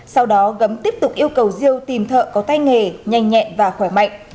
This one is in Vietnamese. sau đó gấm tiếp tục yêu cầu rêu tìm thợ có tay nghề nhanh nhẹn và khỏe mạnh